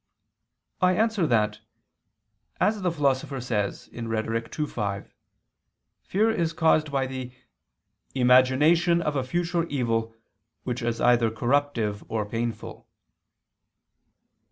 I answer that, As the Philosopher says (Rhet. ii, 5), fear is caused by the "imagination of a future evil which is either corruptive or painful."